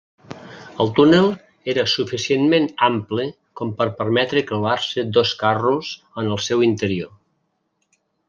El túnel era suficientment ample com per permetre creuar-se dos carros en el seu interior.